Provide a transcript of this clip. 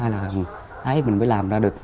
đấy mình mới làm ra được